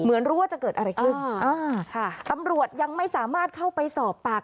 ไม่รู้ว่าจะเกิดอะไรขึ้นอ่าค่ะตำรวจยังไม่สามารถเข้าไปสอบปาก